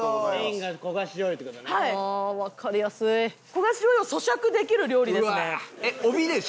焦がし醤油を咀嚼できる料理ですね。